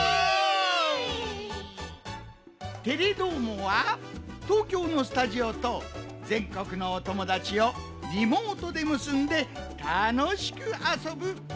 「テレどーも！」は東京のスタジオとぜんこくのおともだちをリモートでむすんでたのしくあそぶばんぐみじゃぞい！